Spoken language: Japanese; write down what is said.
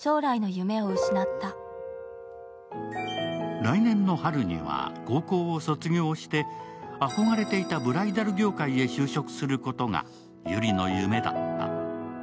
来年の春には高校を卒業して憧れていたブライダル業界へ就職することが、ゆりの夢だった。